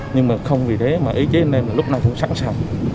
nhưng mà không vì thế mà ý chí anh em là lúc nào cũng sẵn sàng